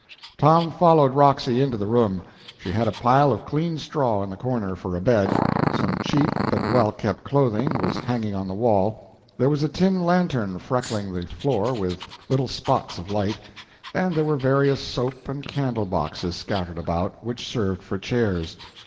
Tom followed Roxy into the room. She had a pile of clean straw in the corner for a bed, some cheap but well kept clothing was hanging on the wall, there was a tin lantern freckling the floor with little spots of light, and there were various soap and candle boxes scattered about, which served for chairs.